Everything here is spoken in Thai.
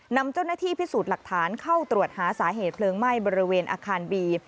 นำเจ้าหน้าที่พิสูจน์หลักฐานเข้าตรวจหาสาเหตุเพลิงไหม้บริเวณอาคารบี